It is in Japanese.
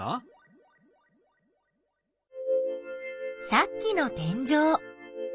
さっきの天井。